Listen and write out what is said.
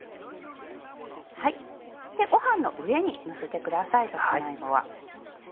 ごはんの上にのせてくださいさつま芋は。